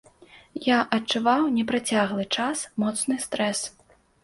Я адчуваў непрацяглы час моцны стрэс.